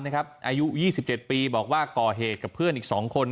นะครับอายุยี่สิบเจ็ดปีบอกว่าก่อเหตุกับเพื่อนอีกสองคน